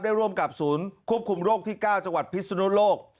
ร่วมกับศูนย์ควบคุมโรคที่๙จังหวัดพิสุนโลก